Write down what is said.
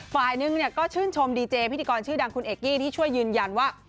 ฝ่ายหนึ่งก็ชื่นชมดีเจพิธีกรชื่อดังคุณเอกกี้ที่ช่วยยืนยันว่า